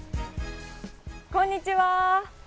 こんにちは。